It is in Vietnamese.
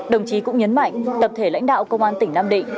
đồng chí cũng nhấn mạnh tập thể lãnh đạo công an tỉnh nam định